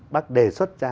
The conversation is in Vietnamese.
bác đề xuất ra